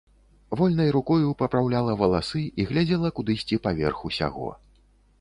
Вольнай рукою папраўляла валасы і глядзела кудысьці паверх усяго.